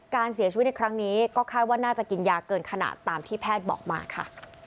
การเสียชีวิตในครั้งนี้ก็คาดว่าน่าจะกินยาเกินขนาดตามที่แพทย์บอกมาค่ะ